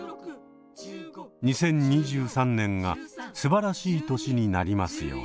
２０２３年がすばらしい年になりますように。